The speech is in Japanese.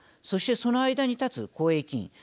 そしてその間に立つ公益委員。